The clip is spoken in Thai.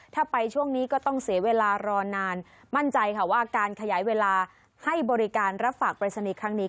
ถ้าไปช่วงนี้ก็ต้องเสียเวลารอนานมั่นใจค่ะว่าการขยายเวลาให้บริการรับฝากปริศนีย์ครั้งนี้